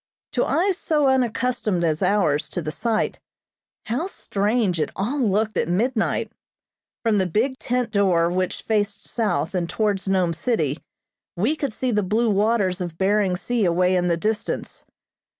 To eyes so unaccustomed as ours to the sight, how strange it all looked at midnight. From the big tent door which faced south and towards Nome City we could see the blue waters of Behring Sea away in the distance.